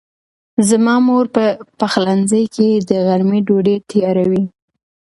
زما مور په پخلنځي کې د غرمې ډوډۍ تیاروي.